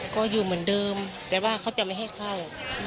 ก็อยู่เหมือนเดิมแต่ว่าเขาจะไม่ให้เข้า